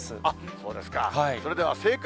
そうですか。